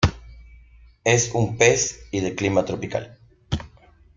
Es un pez y de clima tropical.